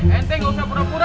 ente nggak usah pura pura